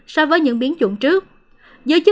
so với những biến dụng trước